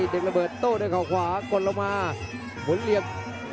เต็มระเบิดโต้ด้วยเขาขวากดลงมาหมุนเหลี่ยม